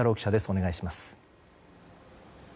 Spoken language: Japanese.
お願いします。